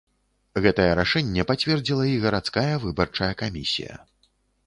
Гэтае рашэнне пацвердзіла і гарадская выбарчая камісія.